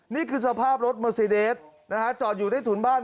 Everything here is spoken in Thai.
นี่คือสภาพรถเมอร์ซีเดสจอดอยู่ใต้ถุนบ้าน